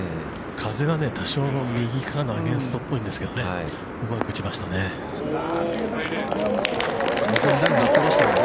◆風が多少右からのアゲインストっぽいんですけど、うまく打ちましたね。